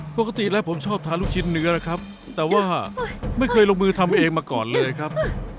ปกติแล้วผมชอบทานลูกชิ้นเนื้อนะครับแต่ว่าไม่เคยลงมือทำเองมาก่อนเลยครับ